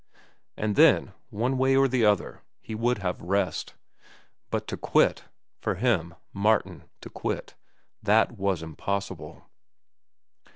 And then, one way or the other, he would have rest. But to quit,—for him, Martin, to quit,—that was impossible!